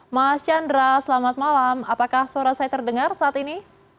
mas chandra selamat malam apakah suara saya terdengar saat ini